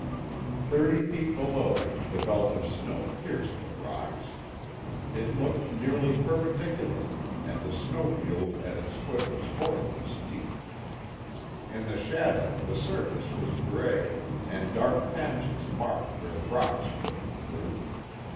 Thirty feet below him the belt of snow pierced the rocks. It looked nearly perpendicular and the snow field at its foot was horribly steep. In the shadow, the surface was gray and dark patches marked where rocks pushed through.